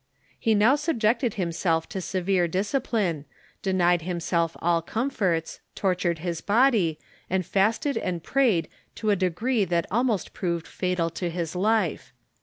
He now subjected himself to severe discipline, denied himself all comforts, tortured his body, and fasted and prayed to a degree that almost proved fatal to his life.